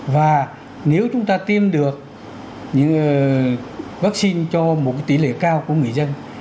và nếu chúng ta tiêm được vaccine cho một tỷ lệ cao của người dân